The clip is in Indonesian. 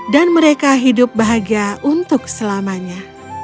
mereka hidup bahagia untuk selamanya